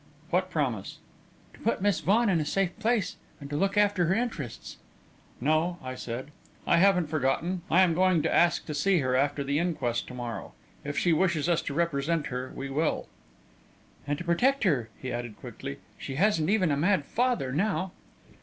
"What promise?" "To put Miss Vaughan in a safe place and to look after her interests." "No," I said, "I haven't forgotten. I am going to ask to see her after the inquest to morrow. If she wishes us to represent her, we will." "And to protect her," he added, quickly. "She hasn't even a mad father now!"